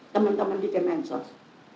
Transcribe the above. teman teman di kemensos